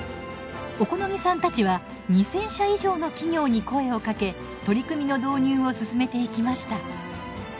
小此木さんたちは２，０００社以上の企業に声をかけ取り組みの導入を進めていきました。